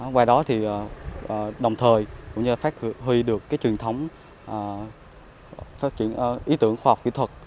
qua đó thì đồng thời cũng như phát huy được truyền thống phát triển ý tưởng khoa học kỹ thuật